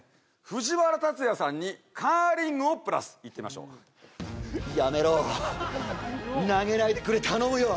藤原竜也さんにカーリングをプラスいってみましょうやめろ投げないでくれ頼むよ